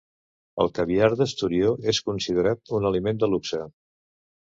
El caviar d'esturió és considerat un aliment de luxe.